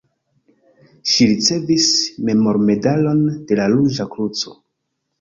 Ŝi ricevis memormedalon de la Ruĝa Kruco.